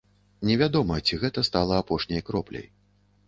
Невядома, ці гэта стала апошняй кропляй.